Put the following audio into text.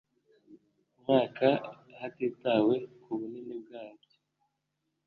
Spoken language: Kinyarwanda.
mwaka hatitawe ku bunini bwabyo